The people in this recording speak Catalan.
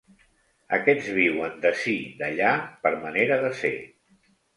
Aquests viuen d'ací d'allà per manera de ser.